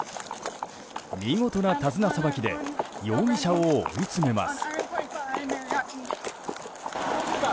見事な手綱さばきで容疑者を追い詰めます。